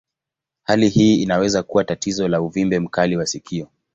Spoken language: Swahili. Hali hii inaweza kuwa tatizo la uvimbe mkali wa sikio.